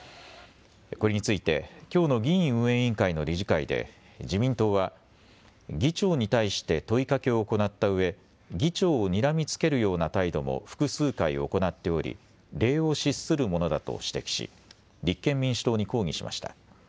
これについて、きょうの議員運営委員会の理事会で自民党は議長に対して問いかけを行ったうえ、議長をにらみつけるような態度も複数回行っており礼を失するものだと指摘し立憲民主党に抗議しました。